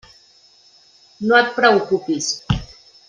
No et preocupis.